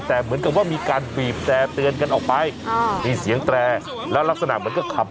แต่เหมือนกับว่ามีการบีบแต่เตือนกันออกไปมีเสียงแตรแล้วลักษณะเหมือนก็ขับ